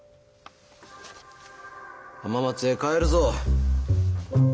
浜松へ帰るぞ。